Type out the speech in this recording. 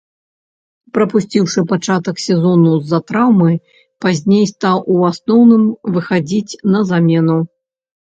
Прапусціўшы пачатак сезону з-за траўмы, пазней стаў у асноўным выхадзіць на замену.